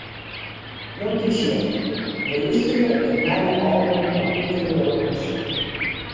Notysje: Belústerje it nije album fan Piter Wilkens.